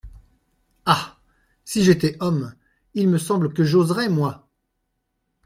Ah ! si j’étais homme, il me semble que j’oserais, moi !…